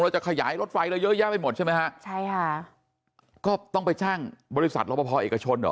จะขยายรถไฟเราเยอะแยะไปหมดใช่ไหมฮะใช่ค่ะก็ต้องไปจ้างบริษัทรอปภเอกชนเหรอ